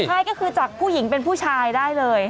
ใช่ก็คือจากผู้หญิงเป็นผู้ชายได้เลย